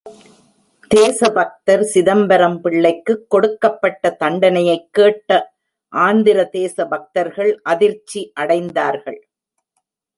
தேசபக்தர் சிதம்பரம் பிள்ளைக்குக் கொடுக்கப்பட்ட தண்டனையைக் கேட்ட ஆந்திர தேசபக்தர்கள் அதிர்ச்சி அடைந்தார்கள்.